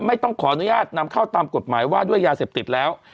ไม่ต้องขออนุญาตนำเข้าตามกฎหมายว่าด้วยยาเสพติดแล้ว